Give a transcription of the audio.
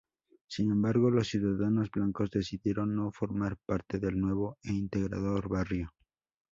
Sin embargo, los ciudadanos blancos decidieron no formar parte del nuevo e integrador barrio.